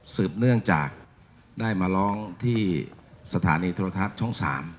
เนื่องจากได้มาร้องที่สถานีโทรทัศน์ช่อง๓